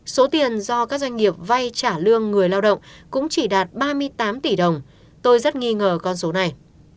số tiền do các doanh nghiệp vay trả lương người lao động cũng chỉ đạt ba mươi tám tỷ đồng tôi rất nghi ngờ con số này